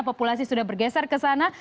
populasi sudah bergeser kesana